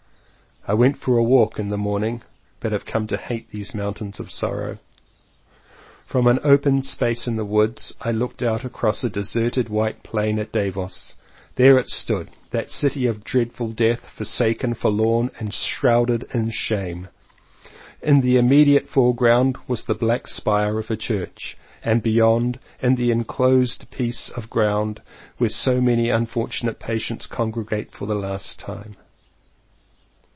I went a walk in the morning, but have come to hate these mountains of sorrow. From an open space in the woods I looked across a deserted white plain at Davos. There it stood, that city of dread ful death, forsaken, forlorn, and shrouded in shame. In the immediate foreground was the black spire of a church; and beyond, the enclosed piece of ground where so many unfortunate patients congregate for the last time.